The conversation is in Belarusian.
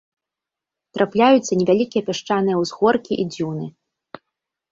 Трапляюцца невялікія пясчаныя ўзгоркі і дзюны.